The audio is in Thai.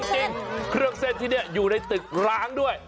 เครื่องเส้นที่นี่อยู่ในตึกร้างด้วย